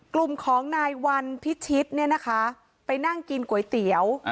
กลุ่มของนายวันพิชิตเนี่ยนะคะไปนั่งกินก๋วยเตี๋ยว